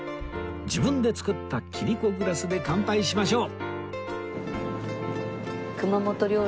自分で作った切子グラスで乾杯しましょう